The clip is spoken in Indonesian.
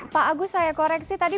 pak agus saya koreksi tadi